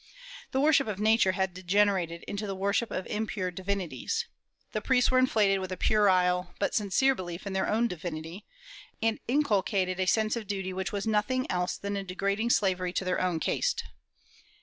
The worship of Nature had degenerated into the worship of impure divinities. The priests were inflated with a puerile but sincere belief in their own divinity, and inculcated a sense of duty which was nothing else than a degrading slavery to their own caste.